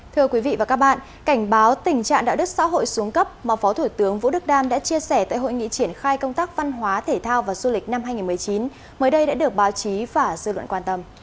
thưa quý vị và các bạn cảnh báo tình trạng đạo đức xã hội xuống cấp mà phó thủ tướng vũ đức đam đã chia sẻ tại hội nghị triển khai công tác văn hóa thể thao và du lịch năm hai nghìn một mươi chín mới đây đã được báo chí và dư luận quan tâm